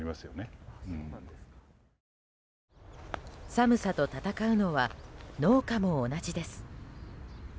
寒さと闘うのは農家も同じです。